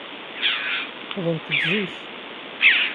Wwḍent-d zik.